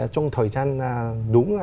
trong thời gian đúng